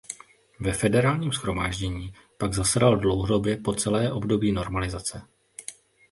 Ve Federálním shromáždění pak zasedal dlouhodobě po celé období normalizace.